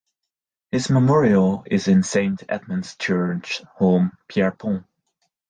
His memorial is in Saint Edmund's Church, Holme Pierrepont.